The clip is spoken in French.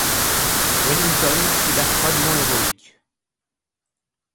Wellington fut là froidement héroïque.